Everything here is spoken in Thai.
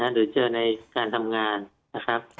หรือเจอในการทำงานนะครับ